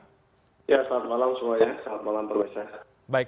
selamat malam semua ya